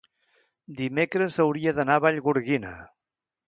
dimecres hauria d'anar a Vallgorguina.